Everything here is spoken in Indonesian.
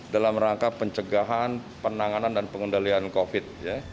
dalam rangka pencegahan penanganan dan pengendalian covid sembilan belas